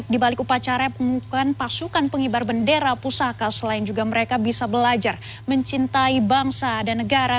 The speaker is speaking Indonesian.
di balik upacara pengumuman pasukan pengibar bendera pusaka selain juga mereka bisa belajar mencintai bangsa dan negara